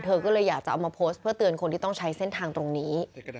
เธอก็เลยอยากจะเอามาโพสต์เพื่อเตือนคนที่ต้องใช้เส้นทางตรงนี้